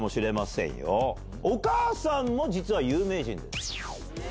お母さんも実は有名人です。